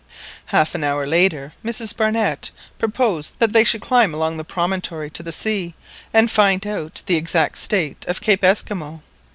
Half an hour later, Mrs Barnett proposed that they should climb along the promontory to the sea, and find out the exact state of Cape Esquimaux.